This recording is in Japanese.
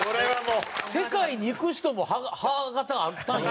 世界に行く人も歯形あったんや。